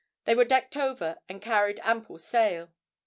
They were decked over and carried ample sail.